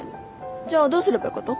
じゃあどうすればよかと？